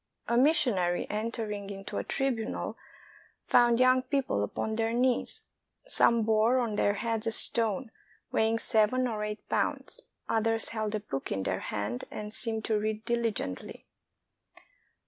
A missionary entering into a tribunal found young people upon their knees. Some bore on their heads a stone weighing seven or eight pounds; others held a book in their hand and seemed to read diligently.